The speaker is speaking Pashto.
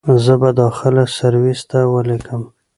زه به داخله سرويس ته وليکم.